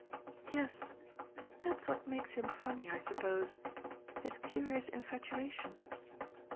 "Yes, that's what makes him funny, I suppose his curious infatuation.